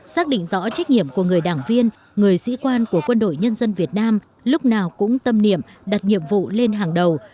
xác định rõ trách nhiệm của người đảng viên người sĩ quan của quân đội nhân dân việt nam lúc nào cũng tâm niệm đặt nhiệm vụ lên hàng đầu